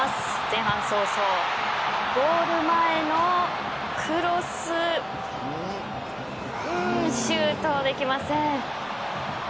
前半早々ゴール前のクロスシュートはできません。